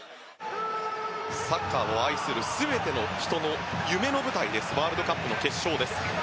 サッカーを愛する全ての人の夢の舞台ですワールドカップの決勝。